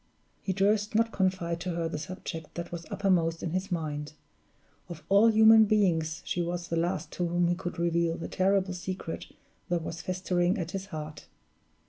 He durst not confide to her the subject that was uppermost in his mind; of all human beings she was the last to whom he could reveal the terrible secret that was festering at his heart.